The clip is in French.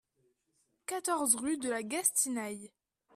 quatorze rue de la Gastinaye